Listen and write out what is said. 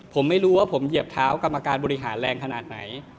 ผมไม่รู้ว่าผมเหยียบเท้ากรรมการบริหารแรงขนาดไหน